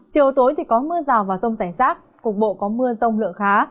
chiều tối thì có mưa rào vào rông rải rác cục bộ có mưa rông lựa khá